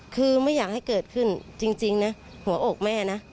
คือไม่อยากให้เกิดขึ้นจริงนะหัวอกแม่นะ